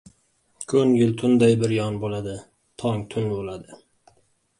Ko‘ngil tunday biryon bo‘ladi! Tong – tun bo‘ladi!